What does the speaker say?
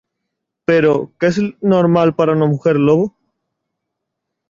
Pero, ¿Que es normal para una mujer lobo?